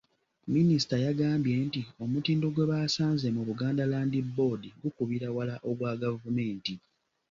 Minisita yagambye nti omutindo gwe baasanze mu Buganda Land Board gukubira wala ogwa gavumenti.